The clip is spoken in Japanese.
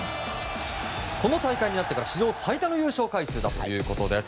この大会になってから史上最多の優勝回数だということです。